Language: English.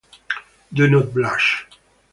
Do not blush.